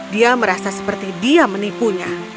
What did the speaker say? dia merasa seperti dia menipunya